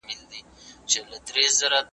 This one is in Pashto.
دواړه د خپل وجدان بار د ژوند تر پایه وړي.